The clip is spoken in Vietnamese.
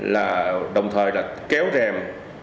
là đồng thời là kéo rèm